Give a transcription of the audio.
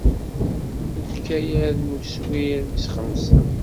Deg ukayad n uswir wis xemsa.